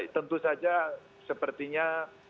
tentu saja sepertinya